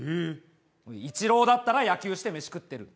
イチローだったら野球してメシ食ってる。